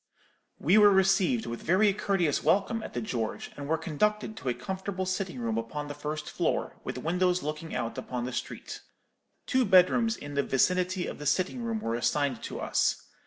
We were received with very courteous welcome at the George, and were conducted to a comfortable sitting room upon the first floor, with windows looking out upon the street. Two bedrooms in the vicinity of the sitting room were assigned to us.